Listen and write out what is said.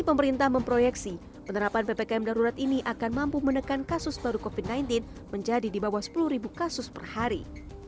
pemerintah memproyeksi penerapan ppkm darurat ini akan mampu menekan kasus baru covid sembilan belas menjadi di bawah sepuluh kasus per hari